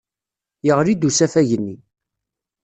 Yeɣli-d usafag-nni.